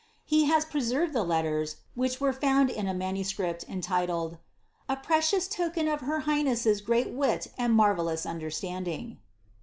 He has preserved the letters, which were found in a MS., entitled, ^A precious Token of her highness's great wit and marvellous understanding."